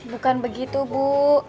bukan begitu bu